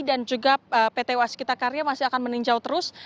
dan juga pt wasikita karya masih akan meninjau terus